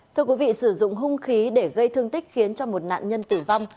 thưa quý vị sử dụng hung khí để gây thương tích khiến cho một nạn nhân tử vong